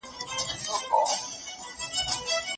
دا څېړنې د ټولنیزې بیا کتنې برخه وې.